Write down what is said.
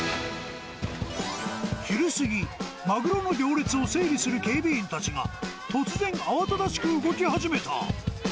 昼過ぎ、マグロの行列を警備する警備員が、突然、慌ただしく動き始めた。